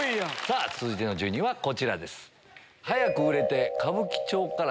続いての住人はこちらです。